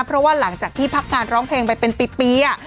เพราะว่าหลังจากที่พักงานร้องเพลงไปเป็นปี